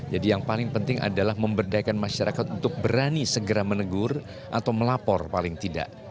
jadi yang paling penting adalah memberdayakan masyarakat untuk berani segera menegur atau melapor paling tidak